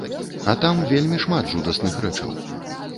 А там вельмі шмат жудасных рэчаў.